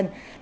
nội dung là